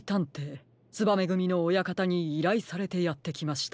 つばめぐみの親方にいらいされてやってきました。